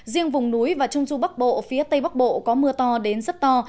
riêng vùng núi và trung du bắc bộ phía tây bắc bộ có mưa to đến rất to